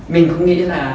mình không nghĩ là